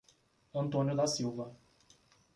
Antônio da Silva